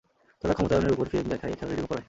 তারা ক্ষমতায়নের উপর ফ্লিম দেখায় এছাড়া রিডিংও পড়ায়।